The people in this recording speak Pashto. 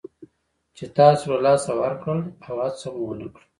چې تاسو له لاسه ورکړل او هڅه مو ونه کړه.